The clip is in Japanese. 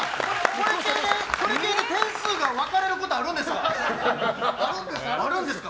これ系で、点数が分かれることあるんですね。